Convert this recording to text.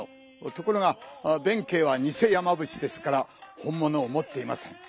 ところが弁慶はニセ山伏ですから本物をもっていません。